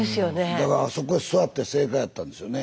だからあそこへ座って正解やったんですよね。